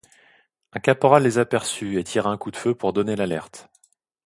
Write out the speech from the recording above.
Un caporal les aperçut et tira un coup de feu pour donner l'alerte.